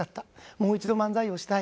もう一度漫才をしたい。